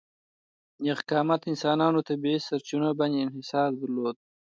نېغ قامته انسانانو طبیعي سرچینو باندې انحصار درلود.